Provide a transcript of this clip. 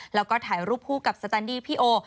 แล้วก็ถ่ายรูปคู่กับสแตนดี้พี่โอ